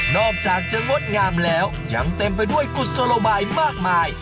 อกจากจะงดงามแล้วยังเต็มไปด้วยกุศโลบายมากมาย